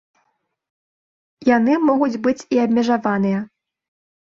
Яны могуць быць і абмежаваныя.